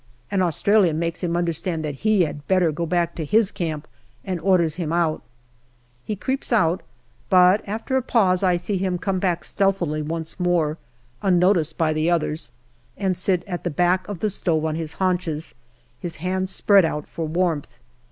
An Australian makes him understand that he had better go back to his camp, and orders him out. He creeps out, but after a pause I see him come back stealthily once more, unnoticed by the others, and sit at the back of the stove on his haunches, his hands spread out for warmth.